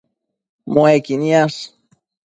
Muequi niash